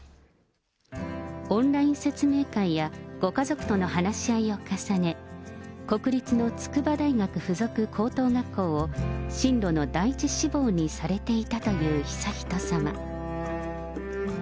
オンライン説明会や、ご家族との話し合いを重ね、国立の筑波大学附属高等学校を進路の第１志望にされていたという悠仁さま。